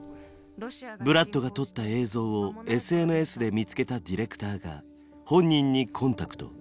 ブラッドが撮った映像をＳＮＳで見つけたディレクターが本人にコンタクト。